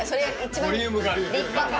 ボリュームがあるから。